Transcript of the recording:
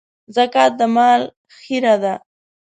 زکات د مال خيره ده.